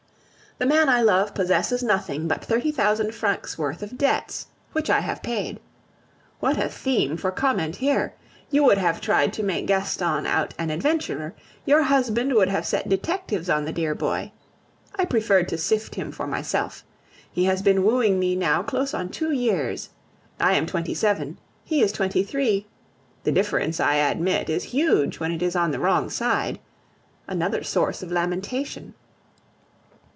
The man I love possesses nothing but thirty thousand francs' worth of debts, which I have paid. What a theme for comment here! You would have tried to make Gaston out an adventurer; your husband would have set detectives on the dear boy. I preferred to sift him for myself. He has been wooing me now close on two years. I am twenty seven, he is twenty three. The difference, I admit, is huge when it is on the wrong side. Another source of lamentation!